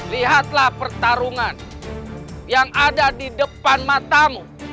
lihatlah pertarungan yang ada di depan matamu